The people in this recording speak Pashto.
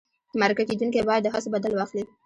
مرکه کېدونکی باید د هڅو بدل واخلي.